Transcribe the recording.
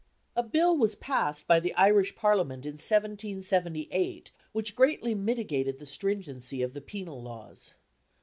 A Bill was passed by the Irish Parliament in 1778, which greatly mitigated the stringency of the penal laws.